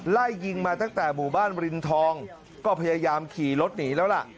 ไล่ยิงมาตั้งแต่หมู่บ้านรินทองก็พยายามขี่รถหนีแล้วล่ะ